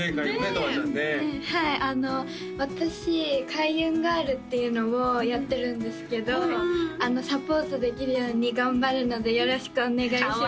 とわちゃんねはいあの私ＫａｉｕｎＧｉｒｌっていうのをやってるんですけどサポートできるように頑張るのでよろしくお願いします